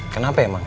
kenapa emang ya